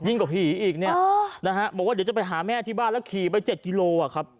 กว่าผีอีกเนี่ยนะฮะบอกว่าเดี๋ยวจะไปหาแม่ที่บ้านแล้วขี่ไป๗กิโลอ่ะครับ